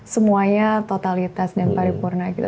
semuanya totalitas dan paripurna kita